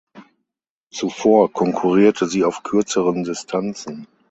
Zuvor konkurrierte sie auf kürzeren Distanzen.